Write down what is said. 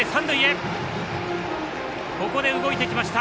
ここで動いてきました。